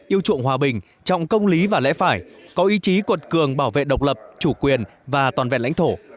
yêu chuộng hòa bình trọng công lý và lẽ phải có ý chí cuột cường bảo vệ độc lập chủ quyền và toàn vẹn lãnh thổ